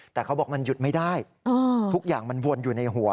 แต่เขาบอกมันหยุดไม่ได้ทุกอย่างมันวนอยู่ในหัว